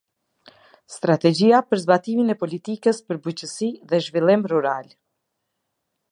Strategjia për zbatimin e politikës për bujqësi dhe zhvillim rural.